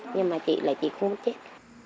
nhưng mà chị là chị không có chết